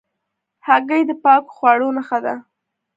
هګۍ د پاکو خواړو نښه ده.